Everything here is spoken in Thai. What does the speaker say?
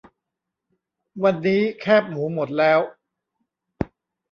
วันนี้แคบหมูหมดแล้ว